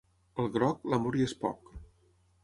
Al groc, l'amor hi és poc.